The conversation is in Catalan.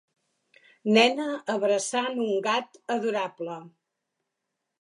Nena abraçant un gat adorable